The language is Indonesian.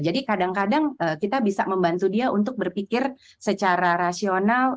jadi kadang kadang kita bisa membantu dia untuk berpikir secara rasional